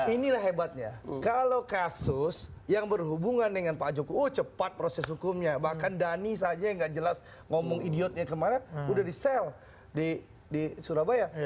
inilah hebatnya kalau kasus yang berhubungan dengan pak jokowi cepat proses hukumnya bahkan dhani saja yang nggak jelas ngomong idiotnya kemana udah di sel di surabaya